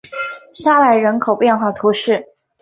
沙莱人口变化图示